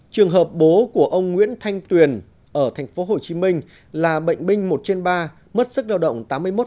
trường hợp bố của ông nguyễn thanh tuyền ở tp hcm là bệnh binh một trên ba mất sức lao động tám mươi một